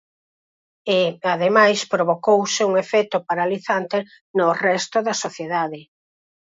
E, ademais, provocouse un efecto paralizante no resto da sociedade.